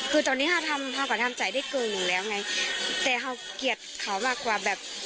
คือตอนนี้ห้าทำฮาก็ทำใจได้เกินอยู่แล้วไงแต่เขาเกลียดเขามากกว่าแบบ